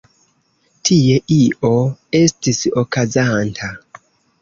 Tie io estis okazanta.